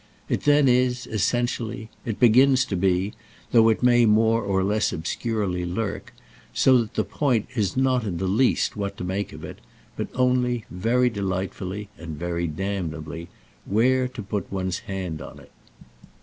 It then is, essentially—it begins to be, though it may more or less obscurely lurk, so that the point is not in the least what to make of it, but only, very delightfully and very damnably, where to put one's hand on it.